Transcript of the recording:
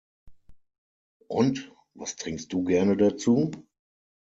Und was trinkst du gerne dazu?